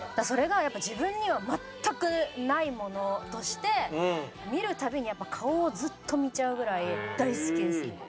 それがやっぱ自分には全くないものとして見るたびにやっぱ顔をずっと見ちゃうぐらい大好きですね。